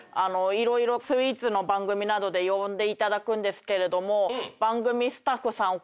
色々スイーツの番組などで呼んでいただくんですけれども。